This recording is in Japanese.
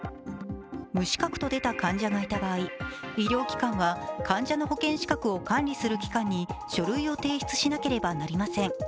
無資格と出た患者がいた場合、医療機関は、患者の保険資格を管理する機関に書類を提出しなければなりません。